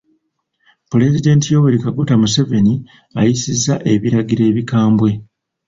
Pulezidenti Yoweri Kaguta Museveni ayisizza ebiragiro ebikambwe.